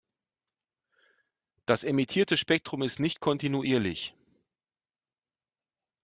Das emittierte Spektrum ist nicht kontinuierlich.